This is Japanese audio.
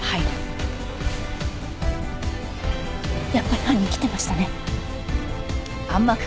やっぱり犯人来てましたね。